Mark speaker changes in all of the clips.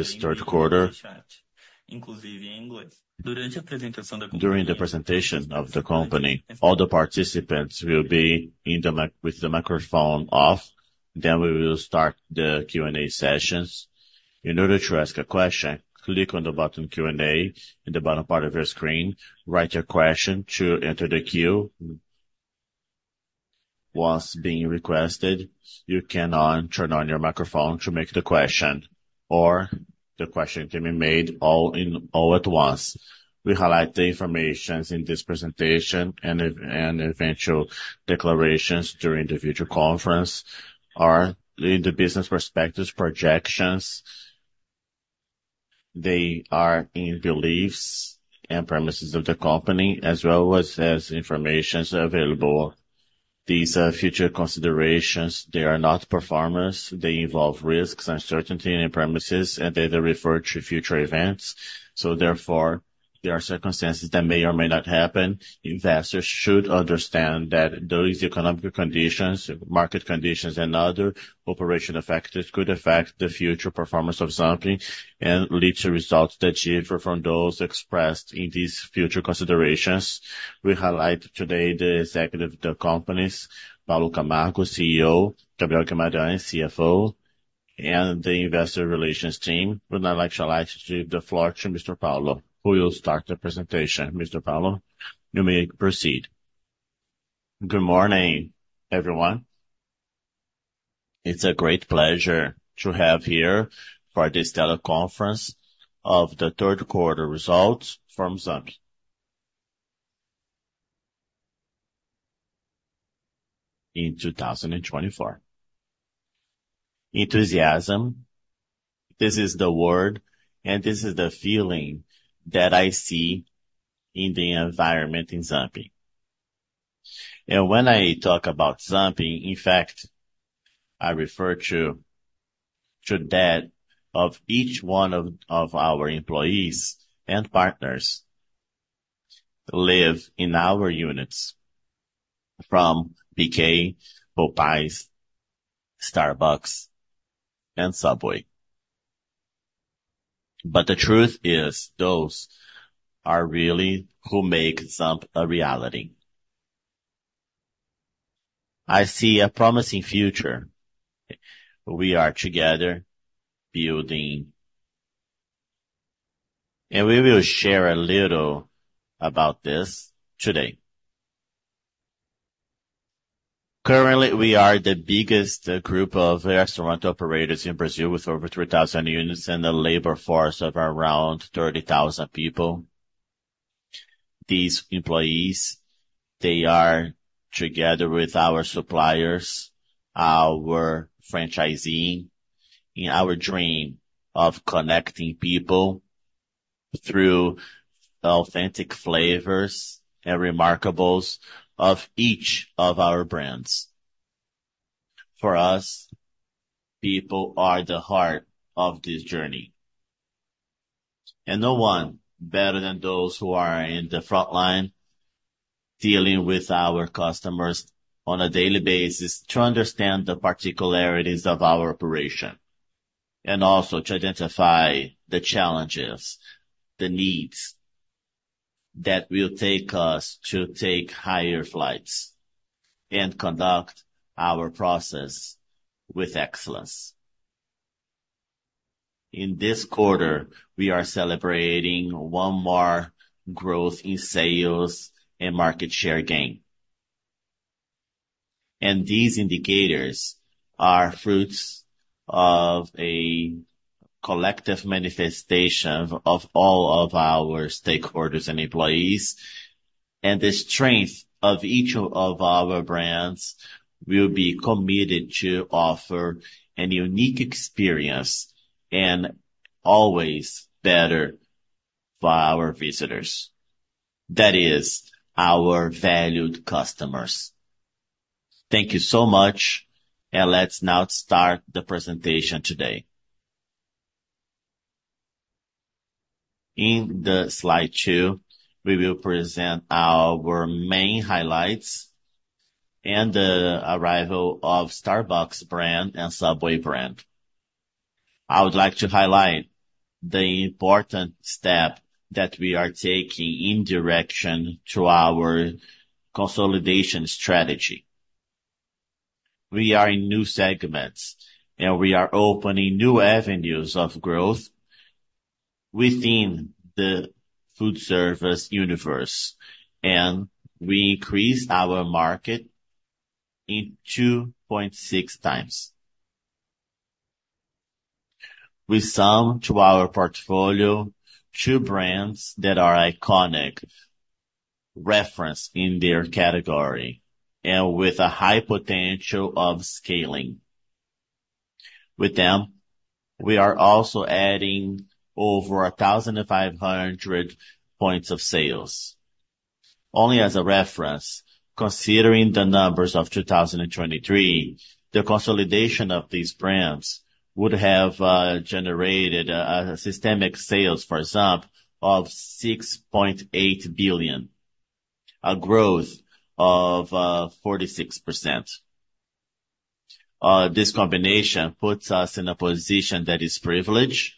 Speaker 1: George Corder. During the presentation of the company, all the participants will be with the microphone off. Then we will start the Q&A sessions. In order to ask a question, click on the button Q&A in the bottom part of your screen. Write your question to enter the queue. Once being requested, you can turn on your microphone to make the question, or the question can be made all at once. We highlight the information in this presentation and eventual declarations during the future conference. In the business perspectives, projections, they are in beliefs and premises of the company, as well as information available. These are future considerations. They are not performance. They involve risks, uncertainty, and premises, and they refer to future events. So therefore, there are circumstances that may or may not happen. Investors should understand that those economic conditions, market conditions, and other operational factors could affect the future performance of something and lead to results that differ from those expressed in these future considerations. We highlight today the executive of the companies, Paulo Camargo, CEO, Gabriel Guimarães, CFO, and the investor relations team. We would now like to give the floor to Mr. Paulo, who will start the presentation. Mr. Paulo, you may proceed. Good morning, everyone. It's a great pleasure to have here for this teleconference of the third quarter results from Zamp in 2024. Enthusiasm, this is the word, and this is the feeling that I see in the environment in Zamp. And when I talk about Zamp, in fact, I refer to that of each one of our employees and partners who live in our units from BK, Popeyes, Starbucks, and Subway. But the truth is, those are really who make Zamp a reality. I see a promising future. We are together building, and we will share a little about this today. Currently, we are the biggest group of restaurant operators in Brazil with over 3,000 units and a labor force of around 30,000 people. These employees, they are together with our suppliers, our franchisee, in our dream of connecting people through authentic flavors and remarkables of each of our brands. For us, people are the heart of this journey, and no one better than those who are in the front line dealing with our customers on a daily basis to understand the particularities of our operation and also to identify the challenges, the needs that will take us to take higher flights and conduct our process with excellence. In this quarter, we are celebrating one more growth in sales and market share gain, and these indicators are fruits of a collective manifestation of all of our stakeholders and employees, and the strength of each of our brands will be committed to offer a unique experience and always better for our visitors. That is our valued customers. Thank you so much, and let's now start the presentation today. In the Slide 2, we will present our main highlights and the arrival of Starbucks brand and Subway brand. I would like to highlight the important step that we are taking in direction to our consolidation strategy. We are in new segments, and we are opening new avenues of growth within the food service universe, and we increased our market in 2.6x. We add to our portfolio two brands that are iconic references in their category and with a high potential of scaling. With them, we are also adding over 1,500 points of sales. Only as a reference, considering the numbers of 2023, the consolidation of these brands would have generated a system-wide sales for Zamp of 6.8 billion, a growth of 46%. This combination puts us in a position that is privileged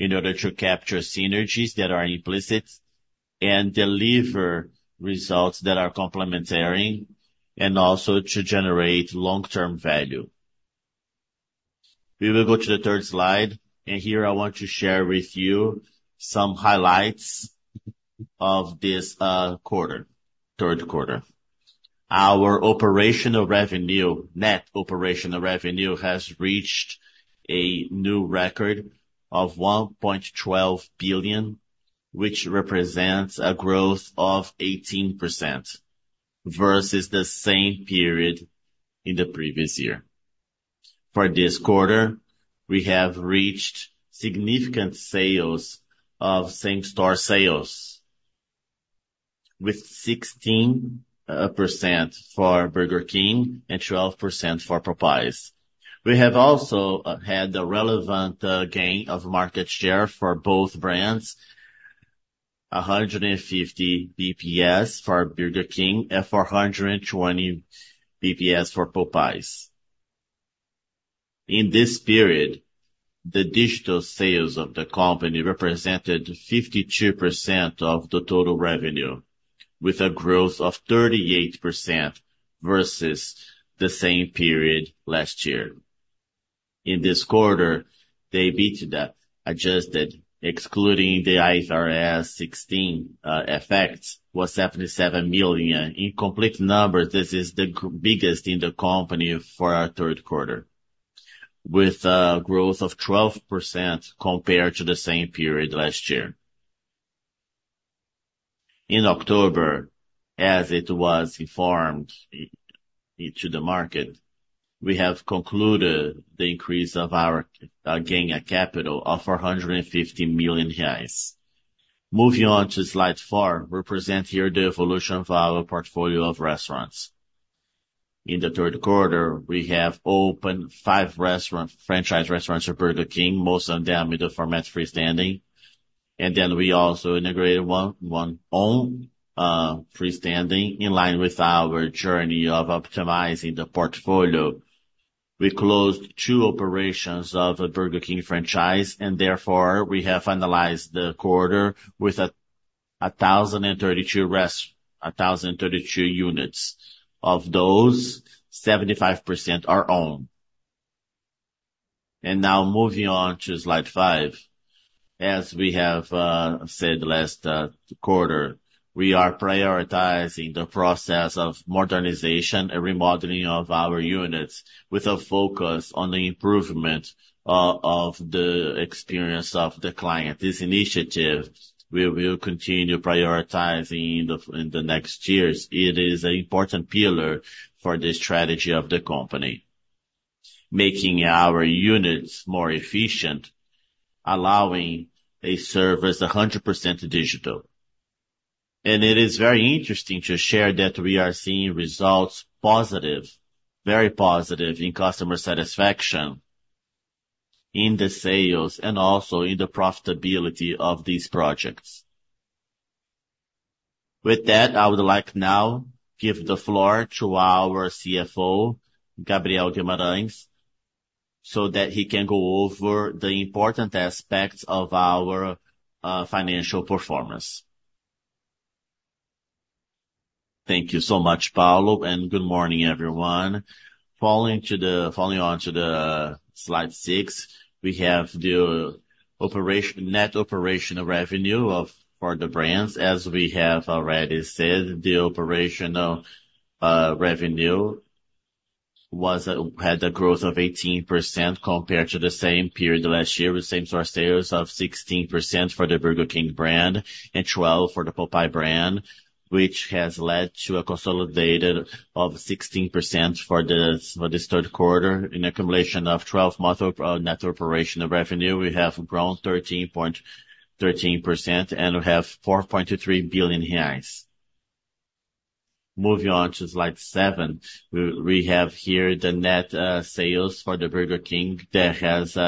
Speaker 1: in order to capture synergies that are implicit and deliver results that are complementary and also to generate long-term value. We will go to the third slide, and here I want to share with you some highlights of this third quarter. Our operational revenue, net operational revenue, has reached a new record of 1.12 billion, which represents a growth of 18% versus the same period in the previous year. For this quarter, we have reached significant sales of same-store sales with 16% for Burger King and 12% for Popeyes. We have also had the relevant gain of market share for both brands, 150 basis points for Burger King and 420 basis points for Popeyes. In this period, the digital sales of the company represented 52% of the total revenue, with a growth of 38% versus the same period last year. In this quarter, they beat that, adjusted, excluding the IFRS 16 effects, was 77 million. In complete numbers, this is the biggest in the company for our third quarter, with a growth of 12% compared to the same period last year. In October, as it was informed to the market, we have concluded the increase of our gain of capital of 450 million reais. Moving on to slide four, we present here the evolution of our portfolio of restaurants. In the third quarter, we have opened five franchise restaurants for Burger King, most of them in the format freestanding. And then we also integrated one own freestanding in line with our journey of optimizing the portfolio. We closed two operations of a Burger King franchise, and therefore we have finalized the quarter with 1,032 units. Of those, 75% are own. And now moving on to slide five, as we have said last quarter, we are prioritizing the process of modernization and remodeling of our units with a focus on the improvement of the experience of the client. This initiative will continue prioritizing in the next years. It is an important pillar for the strategy of the company, making our units more efficient, allowing a service 100% digital. It is very interesting to share that we are seeing results positive, very positive in customer satisfaction, in the sales, and also in the profitability of these projects. With that, I would like now to give the floor to our CFO, Gabriel Guimarães, so that he can go over the important aspects of our financial performance. Thank you so much, Paulo, and good morning, everyone. Following on to Slide 6, we have the net operational revenue for the brands. As we have already said, the operational revenue had a growth of 18% compared to the same period last year with same-store sales of 16% for the Burger King brand and 12% for the Popeyes brand, which has led to a consolidated of 16% for this third quarter. In accumulation of 12 months of net operational revenue, we have grown 13.13%, and we have 4.23 billion reais. Moving on to slide seven, we have here the net sales for the Burger King that has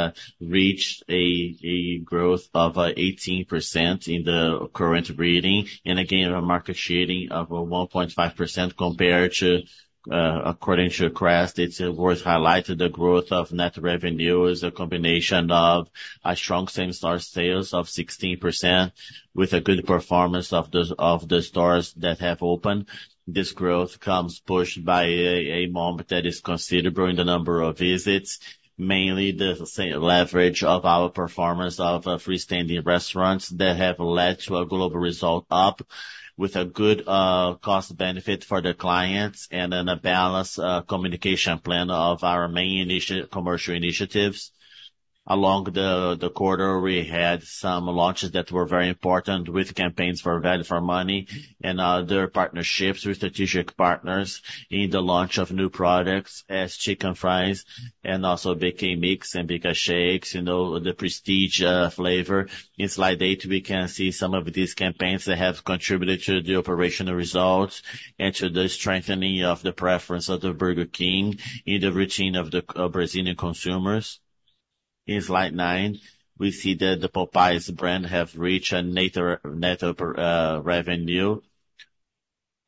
Speaker 1: reached a growth of 18% in the current reading and a gain of market share of 1.5% compared to, according to CREST, it's worth highlighting the growth of net revenue as a combination of a strong same-store sales of 16% with a good performance of the stores that have opened. This growth comes pushed by a moment that is considerable in the number of visits, mainly the leverage of our performance of freestanding restaurants that have led to a global result up with a good cost-benefit for the clients and a balanced communication plan of our main commercial initiatives. Along the quarter, we had some launches that were very important with campaigns for value for money and other partnerships with strategic partners in the launch of new products as Chicken Fries and also BK Mix and BK Shakes, the Prestígio flavor. In Slide 8, we can see some of these campaigns that have contributed to the operational results and to the strengthening of the preference of the Burger King in the routine of Brazilian consumers. In slide 9, we see that the Popeyes brand has reached a net revenue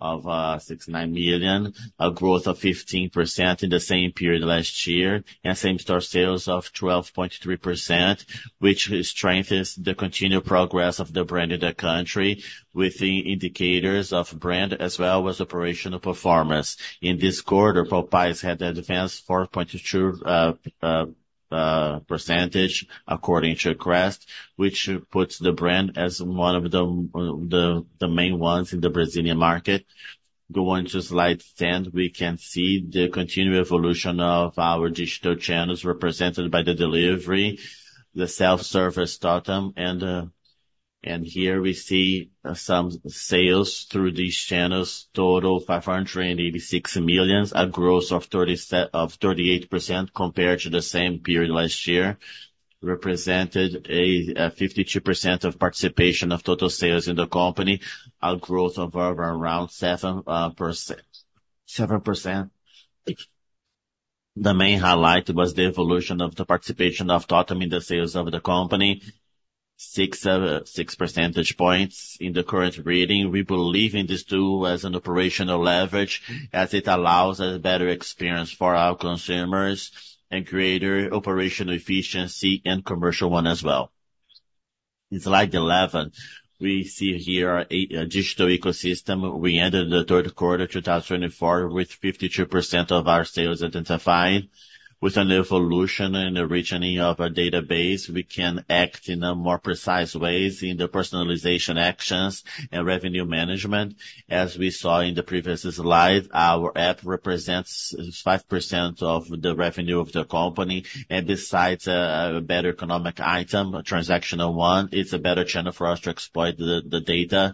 Speaker 1: of 69 million, a growth of 15% in the same period last year, and same-store sales of 12.3%, which strengthens the continued progress of the brand in the country with the indicators of brand as well as operational performance. In this quarter, Popeyes had advanced 4.2%, according to CREST, which puts the brand as one of the main ones in the Brazilian market. Going to Slide 10, we can see the continued evolution of our digital channels represented by the delivery, the self-service totem, and here we see some sales through these channels, total 586 million, a growth of 38% compared to the same period last year, represented a 52% of participation of total sales in the company, a growth of around 7%. The main highlight was the evolution of the participation of totem in the sales of the company, 6% points in the current reading. We believe in this tool as an operational leverage as it allows a better experience for our consumers and greater operational efficiency and commercial one as well. In Slide 11, we see here a digital ecosystem. We ended the third quarter 2024 with 52% of our sales identified. With an evolution and the reaching of our database, we can act in a more precise way in the personalization actions and revenue management. As we saw in the previous slide, our app represents 5% of the revenue of the company, and besides a better economic item, a transactional one, it's a better channel for us to exploit the data.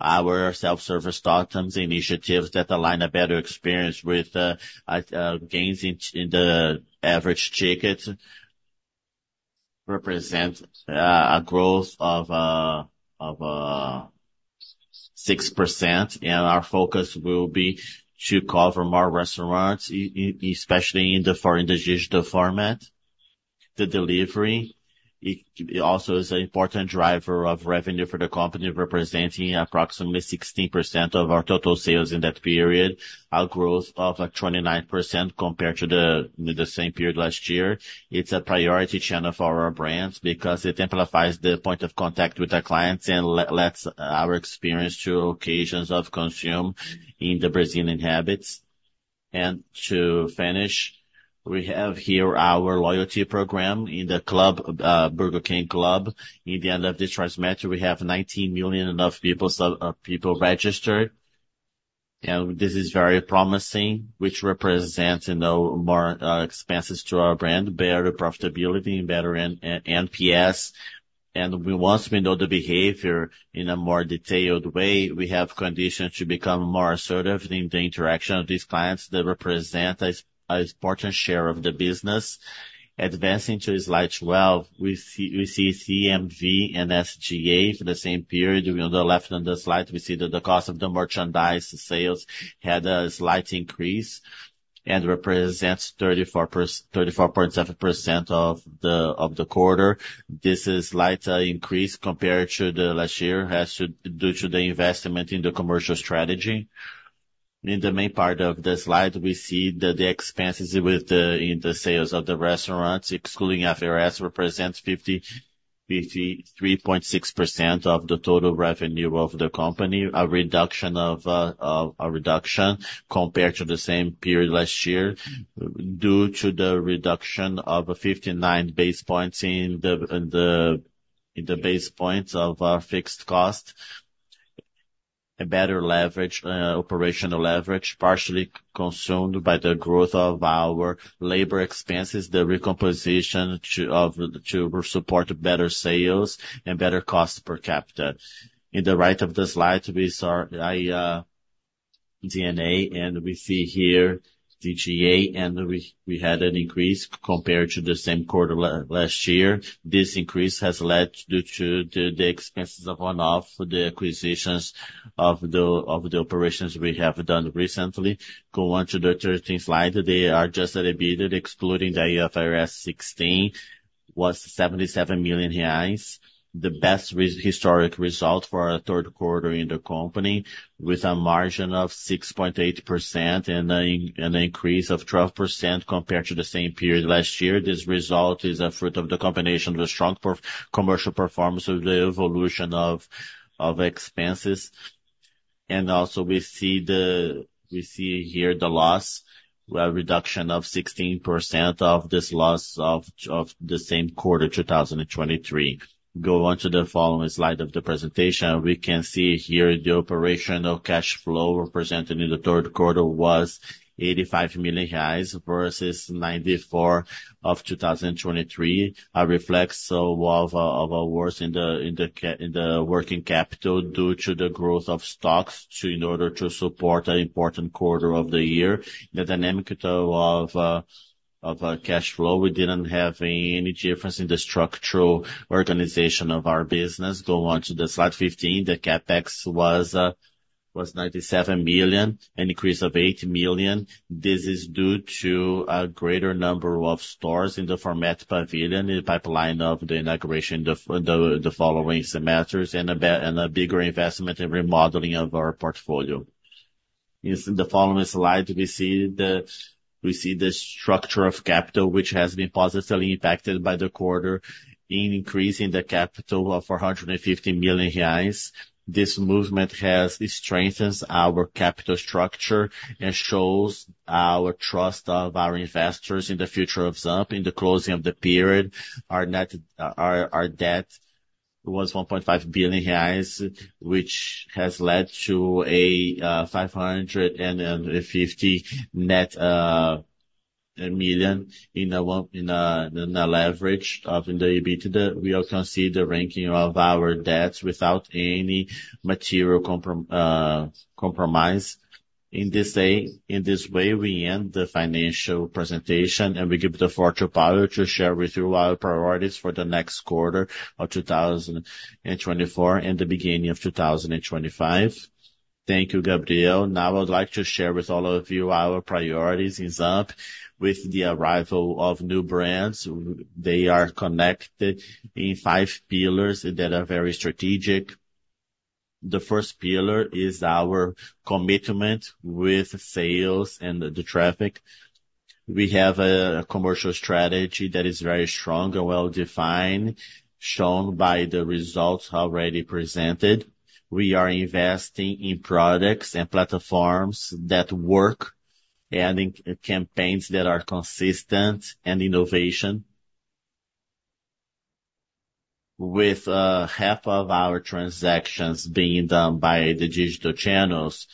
Speaker 1: Our self-service totems, initiatives that align a better experience with gains in the average ticket represent a growth of 6%, and our focus will be to cover more restaurants, especially in the foreign digital format. The delivery also is an important driver of revenue for the company, representing approximately 16% of our total sales in that period, a growth of 29% compared to the same period last year. It's a priority channel for our brands because it amplifies the point of contact with our clients and lets our experience to occasions of consume in the Brazilian habits, and to finish, we have here our loyalty program in the Burger King Club. In the end of this transmission, we have 19 million enough people registered. And this is very promising, which represents more expenses to our brand, better profitability, and better NPS, and once we know the behavior in a more detailed way, we have conditions to become more assertive in the interaction of these clients that represent an important share of the business. Advancing to slide 12, we see CMV and SG&A for the same period. On the left on the slide, we see that the cost of the merchandise sales had a slight increase and represents 34.7% of the quarter. This is a slight increase compared to last year due to the investment in the commercial strategy. In the main part of the slide, we see that the expenses in the sales of the restaurants, excluding IFRS, represent 53.6% of the total revenue of the company, a reduction compared to the same period last year due to the reduction of 59 basis points in the basis points of our fixed cost, a better operational leverage, partially consumed by the growth of our labor expenses, the recomposition to support better sales and better cost per capita. In the right of the slide, we start D&A, and we see here SG&A, and we had an increase compared to the same quarter last year. This increase has led to the expenses of one-off, the acquisitions of the operations we have done recently. Go on to the 13th slide. The adjusted EBITDA, excluding the IFRS 16, was 77 million reais, the best historic result for our third quarter in the company with a margin of 6.8% and an increase of 12% compared to the same period last year. This result is a fruit of the combination of the strong commercial performance of the evolution of expenses, and also we see here the loss, a reduction of 16% of this loss of the same quarter 2023. Go on to the following slide of the presentation. We can see here the operational cash flow represented in the third quarter was 85 million reais versus 94 of 2023. It reflects a worsening in the working capital due to the growth of stocks in order to support an important quarter of the year. The dynamic of cash flow, we didn't have any difference in the structural organization of our business. Go on to slide 15. The CapEx was 97 million, an increase of 8 million. This is due to a greater number of stores in the pavilion format in the pipeline of the inauguration the following semesters and a bigger investment in remodeling of our portfolio. In the following slide, we see the structure of capital, which has been positively impacted by the quarter, increasing the capital of 450 million reais. This movement has strengthened our capital structure and shows our trust of our investors in the future of Zamp in the closing of the period. Our debt was 1.5 billion reais, which has led to a 550 net million in a leverage of in the EBITDA. We also see the ranking of our debts without any material compromise. In this way, we end the financial presentation, and we give the floor to Paulo to share with you our priorities for the next quarter of 2024 and the beginning of 2025. Thank you, Gabriel. Now I would like to share with all of you our priorities in Zamp with the arrival of new brands. They are connected in five pillars that are very strategic. The first pillar is our commitment with sales and the traffic. We have a commercial strategy that is very strong and well-defined, shown by the results already presented. We are investing in products and platforms that work and in campaigns that are consistent and innovation, with half of our transactions being done by the digital channels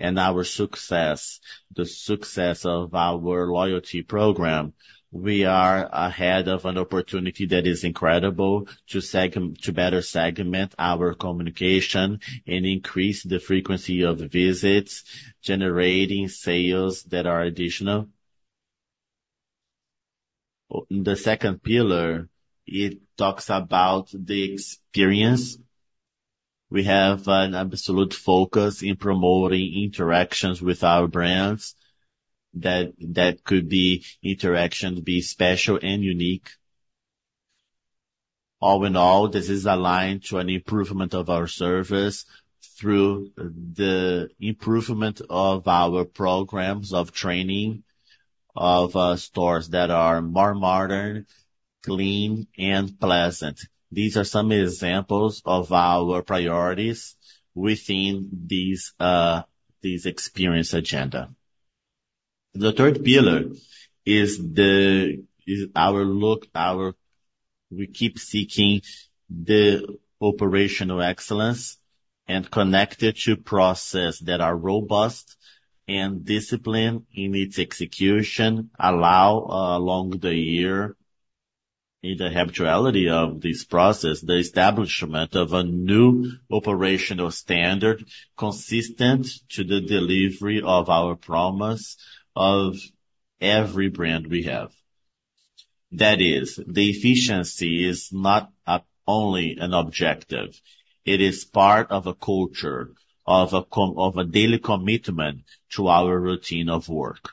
Speaker 1: and our success, the success of our loyalty program. We are ahead of an opportunity that is incredible to better segment our communication and increase the frequency of visits, generating sales that are additional. The second pillar, it talks about the experience. We have an absolute focus in promoting interactions with our brands that could be special and unique. All in all, this is aligned to an improvement of our service through the improvement of our programs of training of stores that are more modern, clean, and pleasant. These are some examples of our priorities within this experience agenda. The third pillar is our look. We keep seeking the operational excellence and connected to processes that are robust and disciplined in its execution allow along the year in the habituality of this process, the establishment of a new operational standard consistent to the delivery of our promise of every brand we have. That is, the efficiency is not only an objective. It is part of a culture of a daily commitment to our routine of work.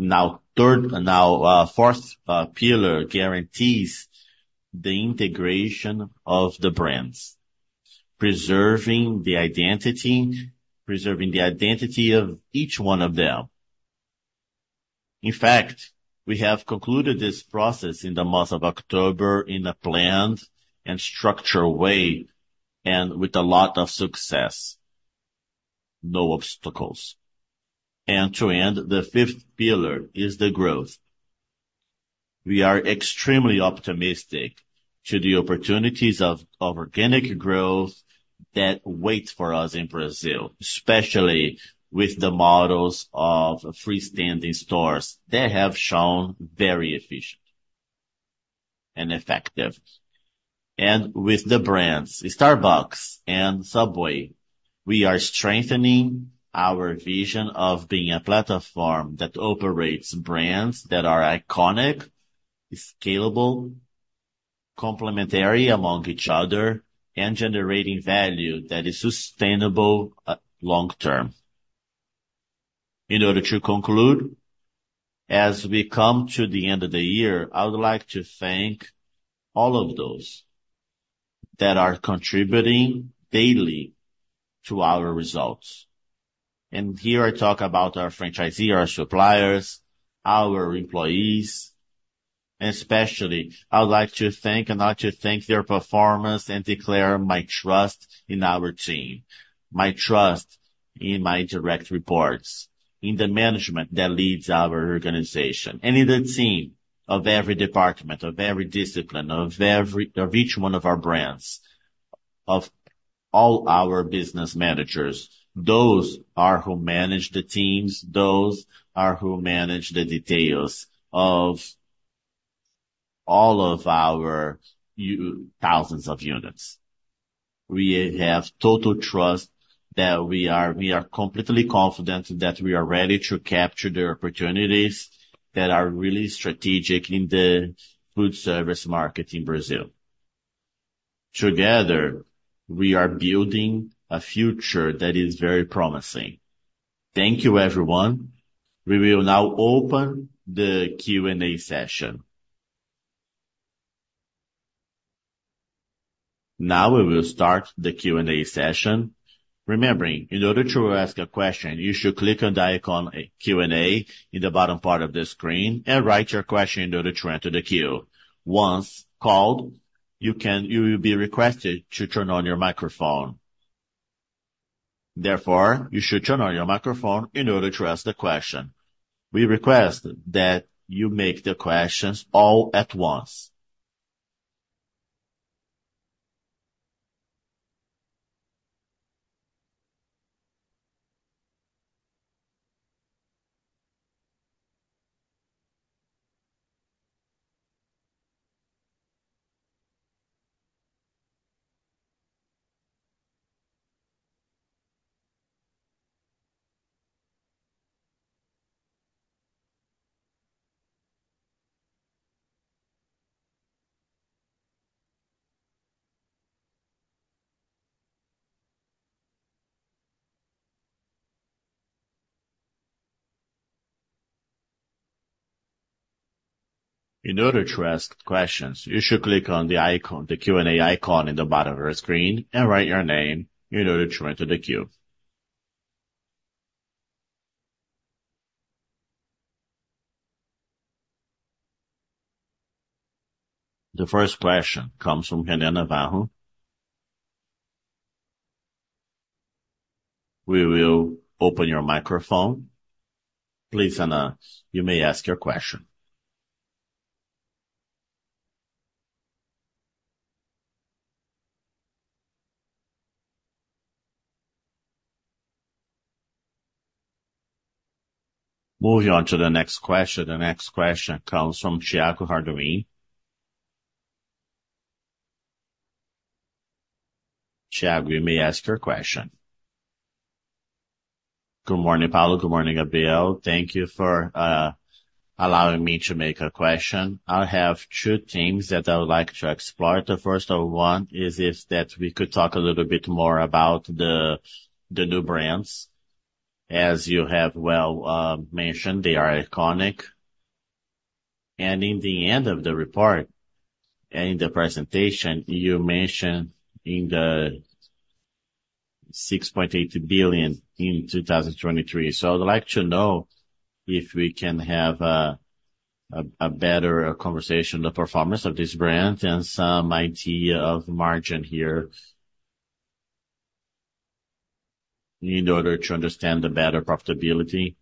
Speaker 1: Now, fourth pillar guarantees the integration of the brands, preserving the identity of each one of them. In fact, we have concluded this process in the month of October in a planned and structured way and with a lot of success, no obstacles. And to end, the fifth pillar is the growth. We are extremely optimistic to the opportunities of organic growth that wait for us in Brazil, especially with the models of freestanding stores that have shown very efficient and effective. And with the brands, Starbucks and Subway, we are strengthening our vision of being a platform that operates brands that are iconic, scalable, complementary among each other, and generating value that is sustainable long-term. In order to conclude, as we come to the end of the year, I would like to thank all of those that are contributing daily to our results, and here I talk about our franchisee, our suppliers, our employees, and especially, I would like to thank and I'd like to thank their performance and declare my trust in our team, my trust in my direct reports, in the management that leads our organization, and in the team of every department, of every discipline, of each one of our brands, of all our business managers. Those are who manage the teams. Those are who manage the details of all of our thousands of units. We have total trust that we are completely confident that we are ready to capture the opportunities that are really strategic in the food service market in Brazil. Together, we are building a future that is very promising. Thank you, everyone. We will now open the Q&A session. Now we will start the Q&A session. Remember, in order to ask a question, you should click on the icon Q&A in the bottom part of the screen and write your question in order to enter the queue. Once called, you will be requested to turn on your microphone. Therefore, you should turn on your microphone in order to ask the question. We request that you make the questions all at once. In order to ask questions, you should click on the Q&A icon in the bottom of your screen and write your name in order to enter the queue. The first question comes from Helena Varrón. We will open your microphone. Please announce. You may ask your question. Moving on to the next question. The next question comes from Tiago Harduim. Thiago, you may ask your question. Good morning, Paulo. Good morning, Gabriel. Thank you for allowing me to make a question. I have two things that I would like to explore. The first one is that we could talk a little bit more about the new brands. As you have well mentioned, they are iconic. And in the end of the report and in the presentation, you mentioned in the 6.8 billion in 2023. So I'd like to know if we can have a better conversation, the performance of this brand, and some idea of margin here in order to understand the better profitability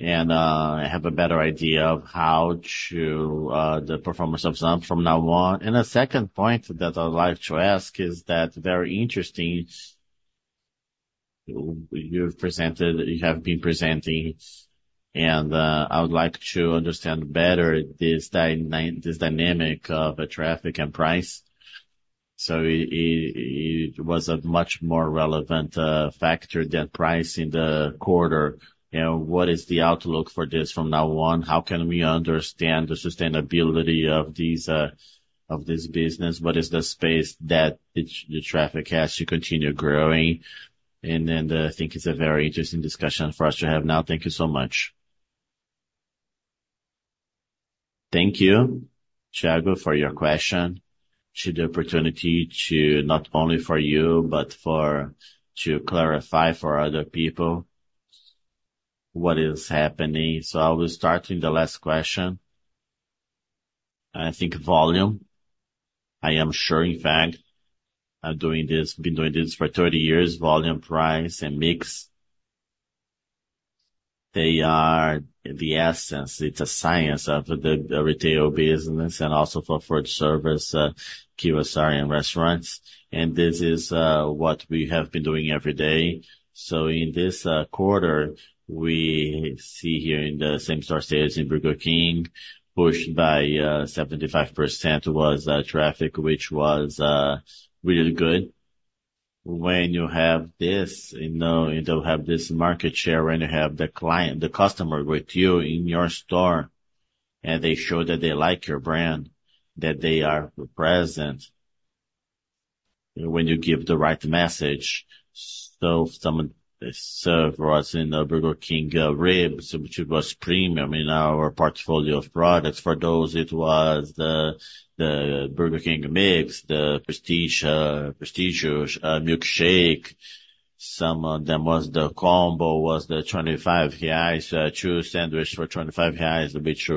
Speaker 1: and have a better idea of how to the performance of Zamp from now on. A second point that I'd like to ask is that very interesting you have been presenting, and I would like to understand better this dynamic of traffic and price. It was a much more relevant factor than price in the quarter. What is the outlook for this from now on? How can we understand the sustainability of this business? What is the space that the traffic has to continue growing? And then I think it's a very interesting discussion for us to have now. Thank you so much. Thank you, Tiago, for your question. It's the opportunity to not only for you, but to clarify for other people what is happening. I will start with the last question. I think volume. I am sure, in fact, I've been doing this for 30 years, volume, price, and mix. They are the essence. It's a science of the retail business and also for food service, QSR, and restaurants. And this is what we have been doing every day. So in this quarter, we see here in the same-store sales in Burger King, pushed by 75% was traffic, which was really good. When you have this, you have this market share when you have the customer with you in your store and they show that they like your brand, that they are present when you give the right message. So some of the drivers in Burger King Brazil, which was premium in our portfolio of products. For those, it was the Burger King Mix, the Prestígio milkshake. Some of them was the combo was the 25 reais, two sandwiches for 25 reais, which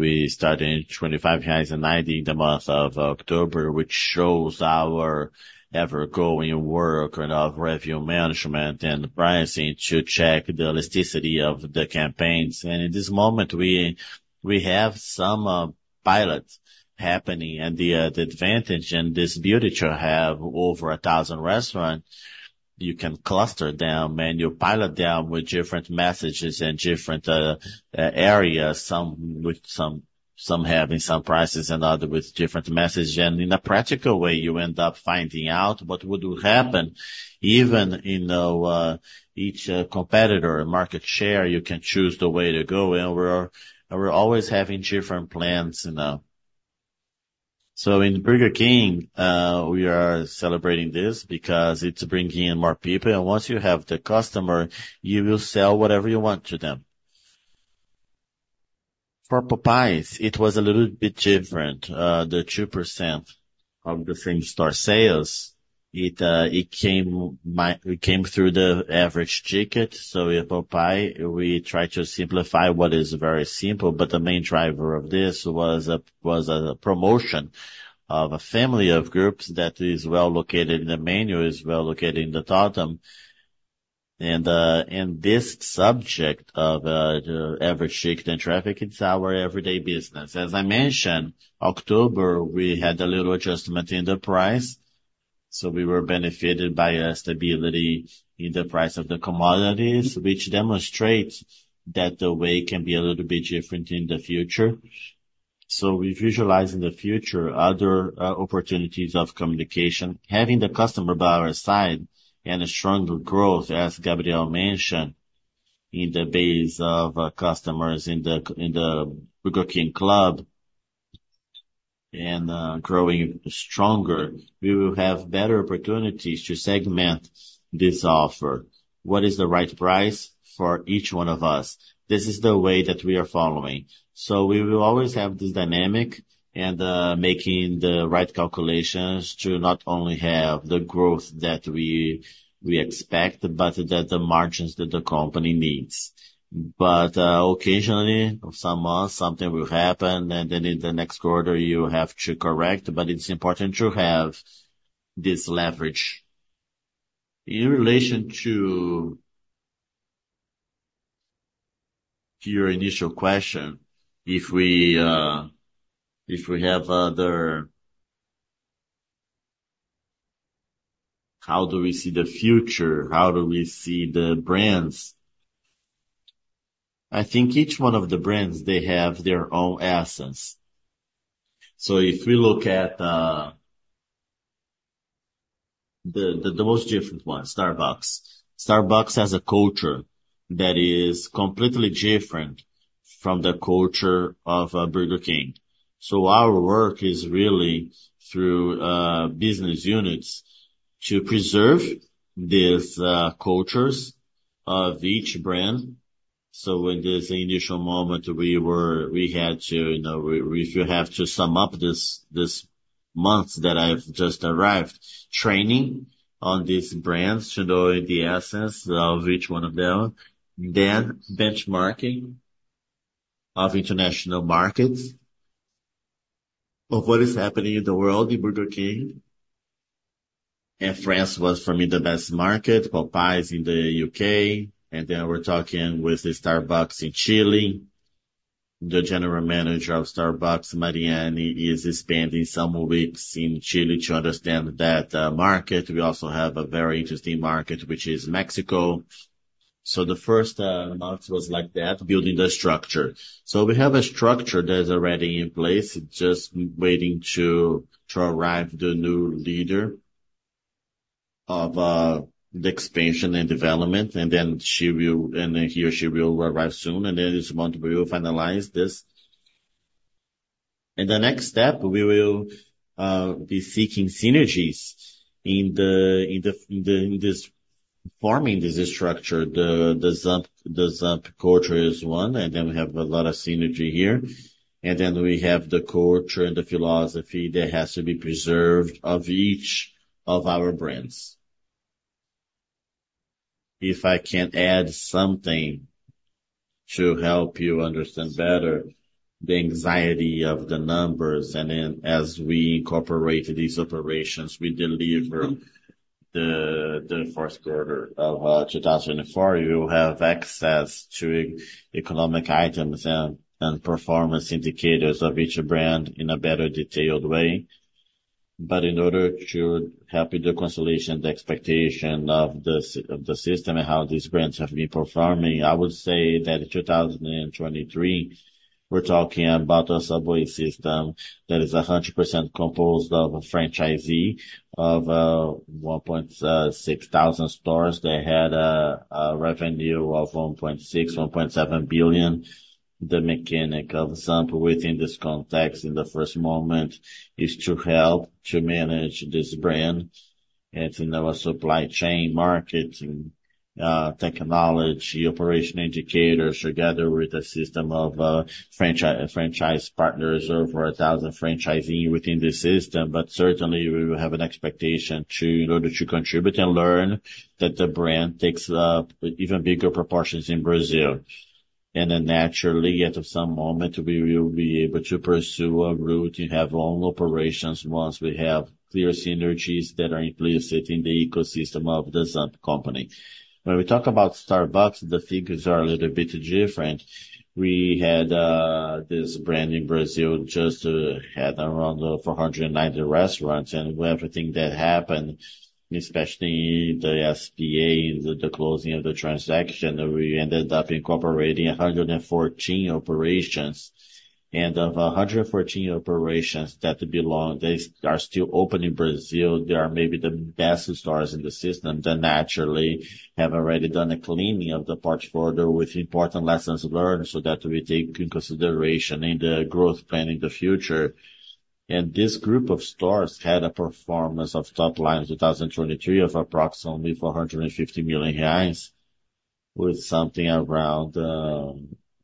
Speaker 1: we started in 25.90 reais in the month of October, which shows our ever-growing work and of revenue management and pricing to check the elasticity of the campaigns. And in this moment, we have some pilots happening. And the advantage and this beauty to have over 1,000 restaurants, you can cluster them and you pilot them with different messages and different areas, some having some prices and other with different messages. And in a practical way, you end up finding out what would happen even in each competitor market share. You can choose the way to go. And we're always having different plans. So in Burger King, we are celebrating this because it's bringing in more people. And once you have the customer, you will sell whatever you want to them. For Popeyes, it was a little bit different. The 2% of the same store sales, it came through the average ticket. So with Popeyes, we tried to simplify what is very simple, but the main driver of this was a promotion of a family of groups that is well located in the menu, is well located in the totem. And this subject of average ticket and traffic, it's our everyday business. As I mentioned, October, we had a little adjustment in the price. So we were benefited by a stability in the price of the commodities, which demonstrates that the way can be a little bit different in the future. So we visualize in the future other opportunities of communication, having the customer by our side and a strong growth, as Gabriel mentioned, in the base of customers in the Burger King club and growing stronger. We will have better opportunities to segment this offer. What is the right price for each one of us? This is the way that we are following so we will always have this dynamic and making the right calculations to not only have the growth that we expect, but the margins that the company needs but occasionally, some months, something will happen, and then in the next quarter, you have to correct but it's important to have this leverage. In relation to your initial question, if we have other, how do we see the future? How do we see the brands? I think each one of the brands, they have their own essence so if we look at the most different ones, Starbucks, Starbucks has a culture that is completely different from the culture of Burger King. Our work is really through business units to preserve these cultures of each brand. When there's an initial moment, we had to, if you have to sum up this month that I've just arrived, training on these brands to know the essence of each one of them, then benchmarking of international markets of what is happening in the world in Burger King. France was, for me, the best market, Popeyes in the U.K. Then we're talking with Starbucks in Chile. The general manager of Starbucks, Mariane, is spending some weeks in Chile to understand that market. We also have a very interesting market, which is Mexico. The first month was like that, building the structure. We have a structure that's already in place, just waiting to arrive the new leader of the expansion and development. Then she will, and here she will arrive soon. And then in this month, we will finalize this. And the next step, we will be seeking synergies in forming this structure. The Zamp culture is one, and then we have a lot of synergy here. And then we have the culture and the philosophy that has to be preserved of each of our brands. If I can add something to help you understand better the anxiety of the numbers, and then as we incorporate these operations, we deliver the fourth quarter of 2024, you will have access to economic items and performance indicators of each brand in a better detailed way. But in order to have the consolidation, the expectation of the system and how these brands have been performing, I would say that in 2023, we're talking about a Subway system that is 100% composed of franchisees, 1,600 stores that had a revenue of 1.6 billion-1.7 billion. The mechanism of Zamp within this context in the first moment is to help to manage this brand and to own a supply chain, marketing, technology, operational indicators together with a system of franchise partners over 1,000 franchisees within this system. But certainly, we will have an expectation to in order to contribute and help that the brand takes even bigger proportions in Brazil. And then naturally, at some moment, we will be able to pursue a route to have our own operations once we have clear synergies that are implicit in the ecosystem of the Zamp company. When we talk about Starbucks, the things are a little bit different. We had this brand in Brazil just had around 490 restaurants, and with everything that happened, especially the SPA, the closing of the transaction, we ended up incorporating 114 operations, and of 114 operations that belong, they are still open in Brazil. They are maybe the best stores in the system that naturally have already done a cleaning of the portfolio with important lessons learned so that we take into consideration in the growth plan in the future, and this group of stores had a performance of top line in 2023 of approximately 450 million reais with something around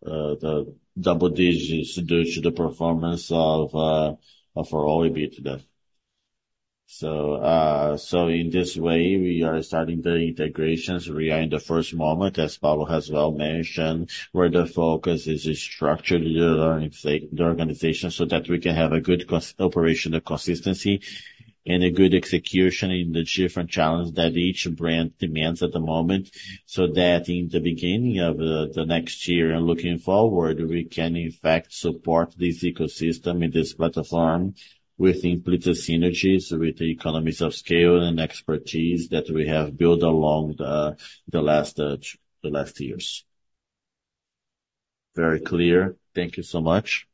Speaker 1: the double-digits due to the performance of the EBITDA today. So in this way, we are starting the integrations right in the first moment, as Paulo has well mentioned, where the focus is structured in the organization so that we can have a good operational consistency and a good execution in the different challenges that each brand demands at the moment so that in the beginning of the next year and looking forward, we can in fact support this ecosystem in this platform with implicit synergies with the economies of scale and expertise that we have built along the last years. Very clear. Thank you so much.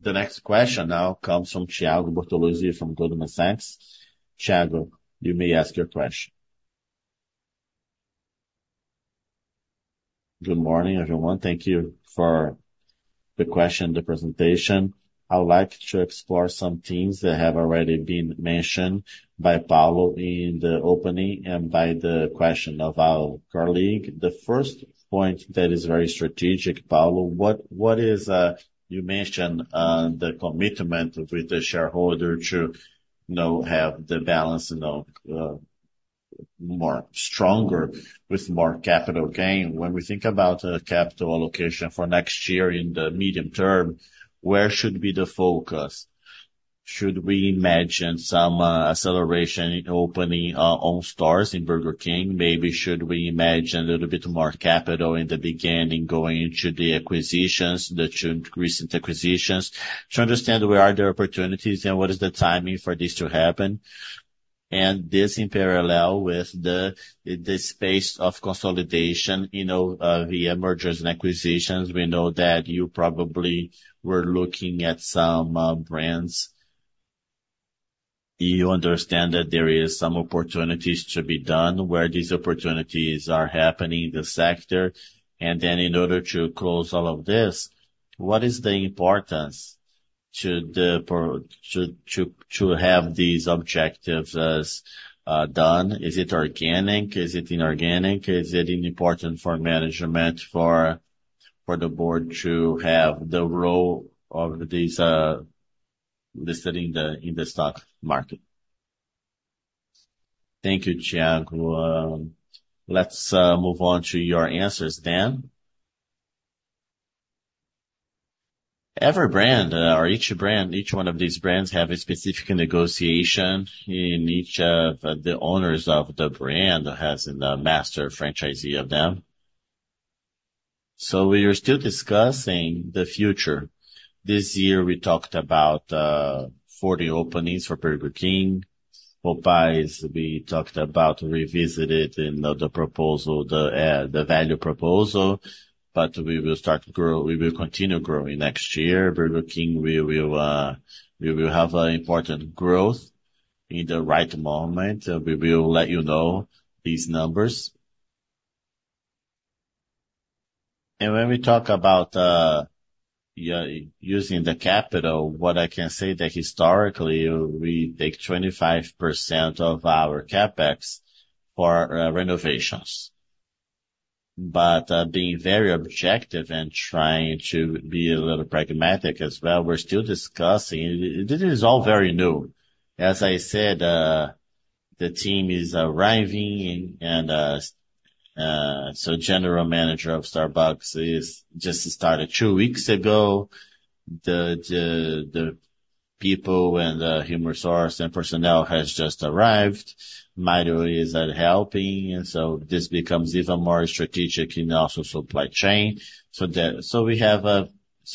Speaker 1: The next question now comes from Thiago Bortoluci from Goldman Sachs. Thiago, you may ask your question. Good morning, everyone. Thank you for the question, the presentation. I would like to explore some themes that have already been mentioned by Paulo in the opening and by the question of our colleague. The first point that is very strategic, Paulo, what you mentioned the commitment with the shareholder to have the balance more stronger with more capital gain? When we think about capital allocation for next year in the medium term, where should be the focus? Should we imagine some acceleration in opening our own stores in Burger King? Maybe should we imagine a little bit more capital in the beginning going into the acquisitions, the recent acquisitions? To understand where are the opportunities and what is the timing for this to happen? And this in parallel with the space of consolidation, the mergers and acquisitions, we know that you probably were looking at some brands. You understand that there are some opportunities to be done where these opportunities are happening in the sector. And then in order to close all of this, what is the importance to have these objectives done? Is it organic? Is it inorganic? Is it important for management for the board to have the role of these listed in the stock market? Thank you, Thiago. Let's move on to your answers, Dan. Every brand or each brand, each one of these brands have a specific negotiation in each of the owners of the brand that has a master franchisee of them. So we are still discussing the future. This year, we talked about 40 openings for Burger King. Popeyes, we talked about revisited the proposal, the value proposal, but we will continue growing next year. Burger King, we will have important growth in the right moment. We will let you know these numbers. And when we talk about using the capital, what I can say that historically, we take 25% of our CapEx for renovations. But being very objective and trying to be a little pragmatic as well, we're still discussing. This is all very new. As I said, the team is arriving, and so the General Manager of Starbucks just started two weeks ago. The people and the human resource and personnel has just arrived. Mário is helping, and so this becomes even more strategic in also supply chain. So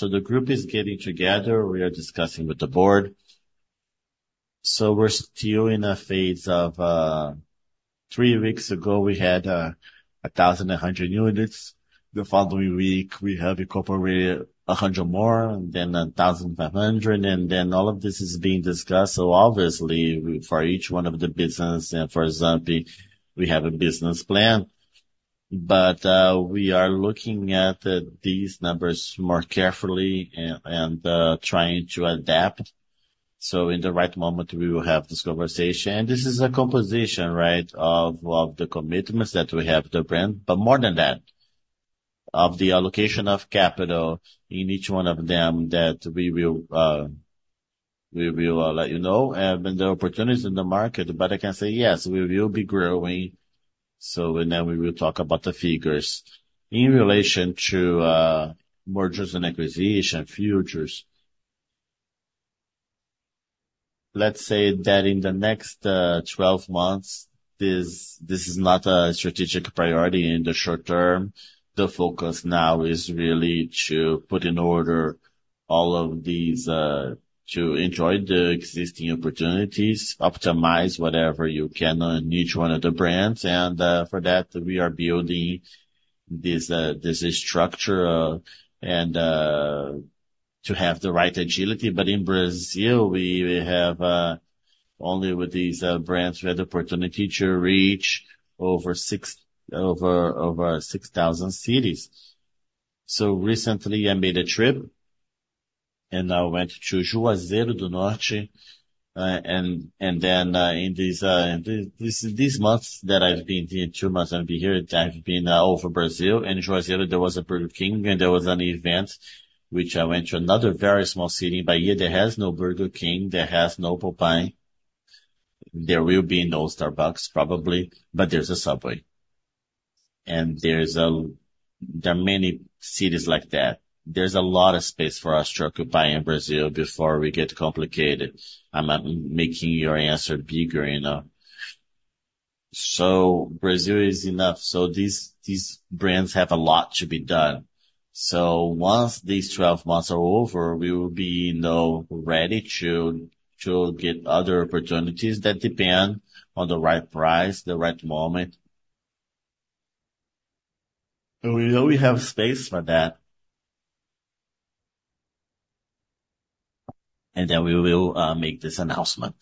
Speaker 1: the group is getting together. We are discussing with the board. So we're still in a phase. Three weeks ago, we had 1,100 units. The following week, we have incorporated 100 more, then 1,500, and then all of this is being discussed. So obviously, for each one of the business and for Zamp, we have a business plan. But we are looking at these numbers more carefully and trying to adapt. So in the right moment, we will have this conversation. And this is a composition, right, of the commitments that we have to bring. But more than that, of the allocation of capital in each one of them that we will let you know. And when the opportunities in the market, but I can say yes, we will be growing. So then we will talk about the figures in relation to mergers and acquisition futures. Let's say that in the next 12 months, this is not a strategic priority in the short-term. The focus now is really to put in order all of these to enjoy the existing opportunities, optimize whatever you can on each one of the brands. And for that, we are building this structure and to have the right agility. But in Brazil, we have only with these brands, we had the opportunity to reach over 6,000 cities. So recently, I made a trip and I went to Juazeiro do Norte. And then in these months that I've been here, two months I've been here, I've been over Brazil. In Juazeiro, there was a Burger King and there was an event, which I went to another very small city by here. There has no Burger King, there has no Popeyes. There will be no Starbucks, probably, but there's a Subway. And there are many cities like that. There's a lot of space for us to occupy in Brazil before we get complicated. I'm making your answer bigger enough. So Brazil is enough. So these brands have a lot to be done. So once these 12 months are over, we will be ready to get other opportunities that depend on the right price, the right moment. So we know we have space for that. And then we will make this announcement.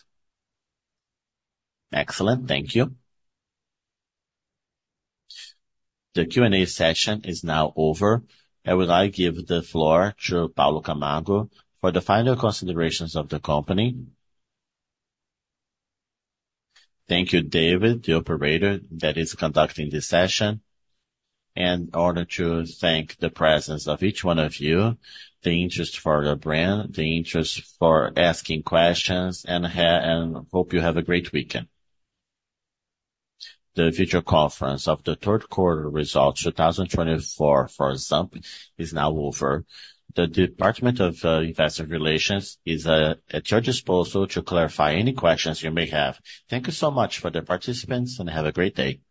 Speaker 1: Excellent. Thank you. The Q&A session is now over. I would like to give the floor to Paulo Camargo for the final considerations of the company. Thank you, David, the operator that is conducting this session. And I want to thank the presence of each one of you, the interest for the brand, the interest for asking questions, and hope you have a great weekend. The video conference of the third quarter results 2024 for Zamp is now over. The Department of Investor Relations is at your disposal to clarify any questions you may have. Thank you so much for the participants and have a great day.